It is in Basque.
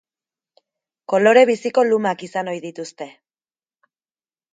Kolore biziko lumak izan ohi dituzte.